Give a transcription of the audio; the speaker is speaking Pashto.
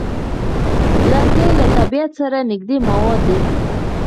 لرګی له طبیعت سره نږدې مواد دي.